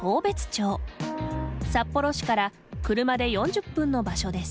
札幌市から車で４０分の場所です。